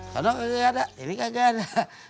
kan gak ada ini gak ada